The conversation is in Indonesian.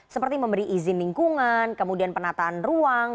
seperti memberi izin lingkungan kemudian penataan ruang